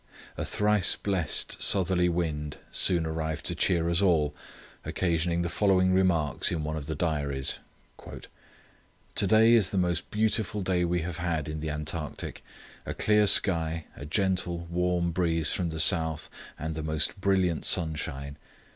"A thrice blessed southerly wind" soon arrived to cheer us all, occasioning the following remarks in one of the diaries: "To day is the most beautiful day we have had in the Antarctic—a clear sky, a gentle, warm breeze from the south, and the most brilliant sunshine.